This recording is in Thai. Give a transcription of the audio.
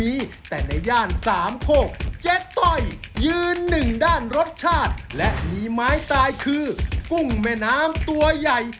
อีกด้านรสชาติและหนีไม้ตายคือกุ้งแม่น้ำตัวใหญ่